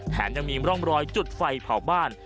ยังมีร่องรอยจุดไฟเผาบ้าน